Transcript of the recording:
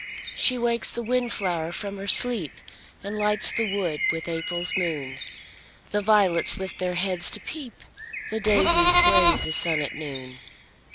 She wakes the wind flower from her sleep, And lights the woods with April's moon; The violets lift their heads to peep, The daisies brave the sun at noon.